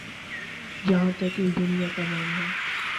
جہاں تک اس دنیا کا معاملہ ہے۔